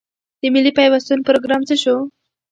د ملي پیوستون پروګرام څه شو؟